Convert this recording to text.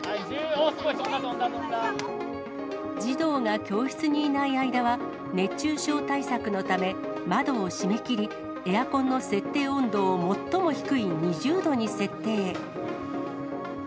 児童が教室にいない間は、熱中症対策のため窓を閉めきり、エアコンの設定温度を最も低い２０度に設定。